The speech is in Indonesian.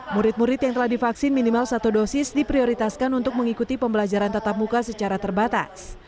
murid murid yang telah divaksin minimal satu dosis diprioritaskan untuk mengikuti pembelajaran tatap muka secara terbatas